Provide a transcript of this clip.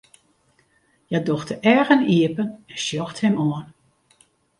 Hja docht de eagen iepen en sjocht him oan.